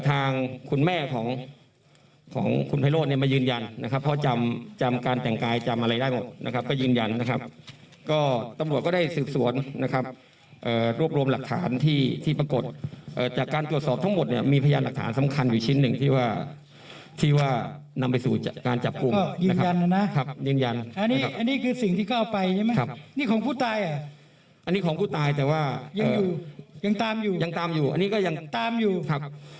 อ้างของของคุณไพโรดเนี่ยมายืนยันนะครับเพราะจำจำการแต่งกายจำอะไรได้หมดนะครับก็ยืนยันนะครับก็ตำรวจก็ได้สืบสวนนะครับรวบรวมหลักฐานที่ที่ปรากฏจากการตรวจสอบทั้งหมดเนี่ยมีพยานหลักฐานสำคัญอยู่ชิ้นหนึ่งที่ว่าที่ว่านำไปสู่การจับกลุ่มนะครับยืนยันนะครับยืนยันอันนี้อันนี้คือสิ่งที่เขา